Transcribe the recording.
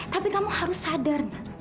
tapi kamu harus sadar